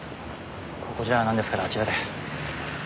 ここじゃなんですからあちらで。